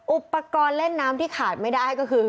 อุปกรณ์เล่นน้ำที่ขาดไม่ได้ก็คือ